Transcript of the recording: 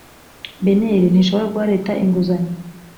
bnr ntishobora guha leta inguzanyo